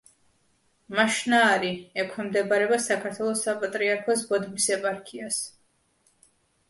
მაშნაარი ექვემდებარება საქართველოს საპატრიარქოს ბოდბის ეპარქიას.